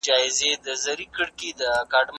که په تعلیم کي صداقت وي نو درغلۍ نه کيږي.